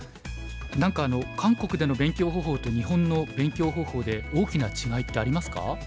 何か韓国での勉強方法と日本の勉強方法で大きな違いってありますか？